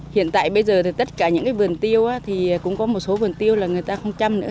hiện tại bây giờ tất cả những vườn tiêu cũng có một số vườn tiêu là người ta không chăm nữa